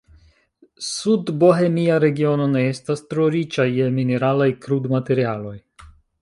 Sudbohemia Regiono ne estas tro riĉa je mineralaj krudmaterialoj.